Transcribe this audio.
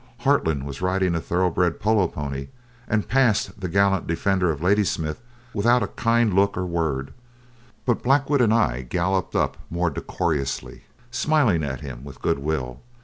Hartland was riding a thoroughbred polo pony and passed the gallant defender of Ladysmith without a kind look or word, but Blackwood and I galloped up more decorously, smiling at him with good will.